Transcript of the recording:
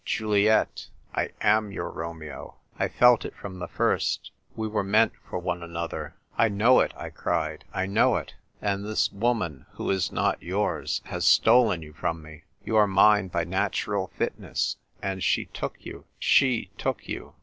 "Juliet, I am your Romeo. I felt it from the first. We were meant for one another." " I know it !" I cried. " I know it ! And this woman, who is not yours, has stolen you from me. You are mine by natural fitness ; and she took you, she took you